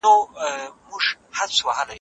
څنګه خلګ د دولت پر وړاندي شکایت کوي؟